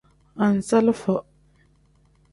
Anzalifo.